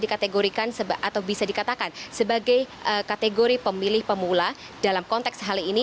dikategorikan atau bisa dikatakan sebagai kategori pemilih pemula dalam konteks hal ini